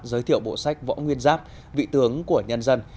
giới thiệu bộ sách võ nguyên giáp vị tướng của nhân dân